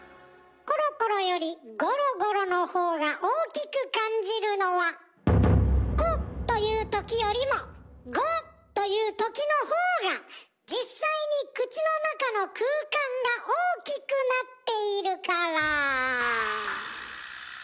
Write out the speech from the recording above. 「コロコロ」より「ゴロゴロ」の方が大きく感じるのは「コ」と言うときよりも「ゴ」と言うときの方が実際に口の中の空間が大きくなっているから。